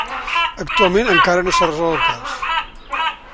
Actualment encara no s'ha resolt el cas.